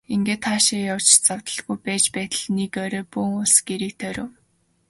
Ингээд хаашаа ч явж завдалгүй байж байтал нэг орой бөөн улс гэрийг нь тойров.